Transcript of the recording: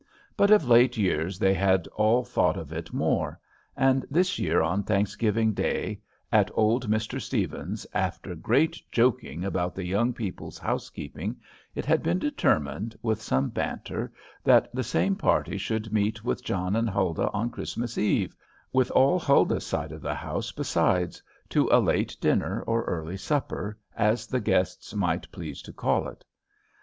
But of late years they had all thought of it more; and this year, on Thanksgiving day, at old Mr. Stevens's, after great joking about the young people's housekeeping, it had been determined, with some banter, that the same party should meet with John and Huldah on Christmas eve, with all Huldah's side of the house besides, to a late dinner or early supper, as the guests might please to call it.